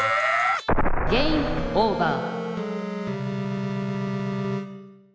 ゲームオーバー。